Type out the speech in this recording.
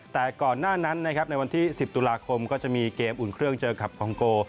แต่ก่อนหน้านั้นนะครับในวันที่๑๐ตุลาคมก็จะมีเกมอุ่นเครื่องเจอกับคองโก